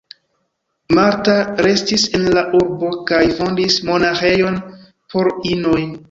Marta restis en la urbo kaj fondis monaĥejon por inoj.